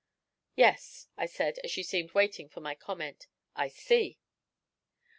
'Yes,' I said, as she seemed waiting for my comment, 'I see.'